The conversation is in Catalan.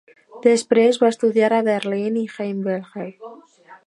Després va estudiar a Berlín i Heidelberg.